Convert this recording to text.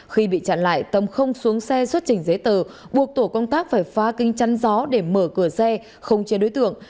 khi bị chặn lại tầm không xuống xe xuất trình giấy tờ buộc tổ công tác phải phá kinh chắn gió để mở cửa xe không chia đối tượng